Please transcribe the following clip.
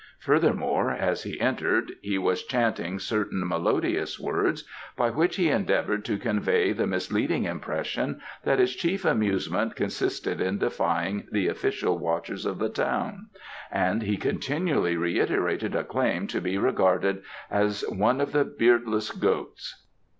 Furthermore, as he entered he was chanting certain melodious words by which he endeavoured to convey the misleading impression that his chief amusement consisted in defying the official watchers of the town, and he continually reiterated a claim to be regarded as "one of the beardless goats."